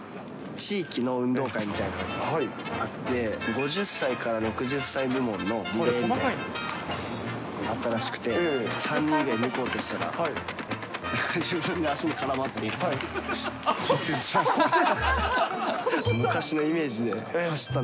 地域の運動会みたいなのがあって、５０歳から６０歳部門のリレーに出たらしくて、３人抜こうとしたら、自分の足に絡まって骨折しました。